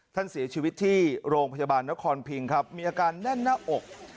ท่านเสียชีวิตที่โรงพยาบาลนครพิงครับมีอาการแน่นหน้าอก